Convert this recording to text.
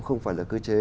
không phải là cơ chế